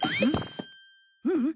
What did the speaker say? ううん。